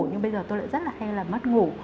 nhưng bây giờ tôi lại rất là hay là mất ngủ